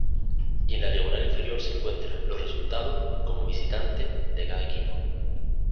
Y en la diagonal inferior se encuentra los resultados como visitante de cada equipo.